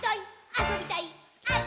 「あそびたいっ！！」